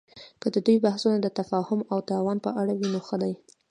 که د دوی بحثونه د تفاهم او تعاون په اړه وي، نو ښه دي